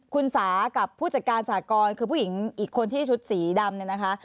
คุณสากับผู้จัดการสากรคือผู้หญิงอีกคนที่ชุดสีดำเนี่ยนะคะ